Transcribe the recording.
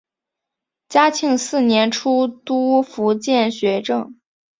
嘉庆四年出督福建学政。